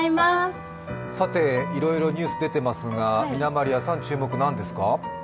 いろいろニュース出ていますが、みなまりあさん、注目は何ですか？